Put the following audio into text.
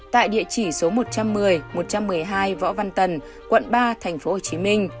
tại địa chỉ số một trăm một mươi một trăm một mươi hai võ văn tần quận ba tp hcm